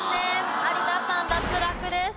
有田さん脱落です。